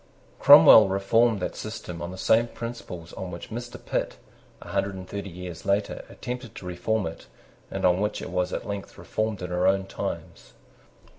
Cromwell reformed that system on the same principles on which Mr. Pitt, a hundred and thirty years later, attempted to reform it, and on which it was at length reformed in our own times.